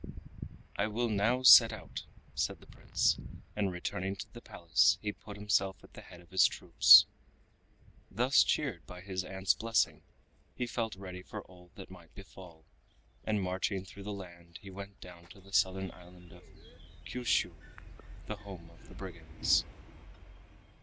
"I will now set out," said the Prince, and returning to the Palace he put himself at the head of his troops. Thus cheered by his aunt's blessing, he felt ready for all that might befall, and marching through the land he went down to the Southern Island of Kiushiu, the home of the brigands.